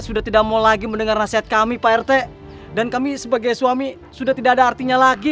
sudah tidak mau lagi mendengar nasihat kami pak rt dan kami sebagai suami sudah tidak ada artinya lagi